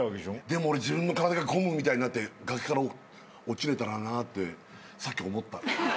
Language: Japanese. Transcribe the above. でも俺自分の体がゴムみたいになって崖から落ちれたらなってさっき思った。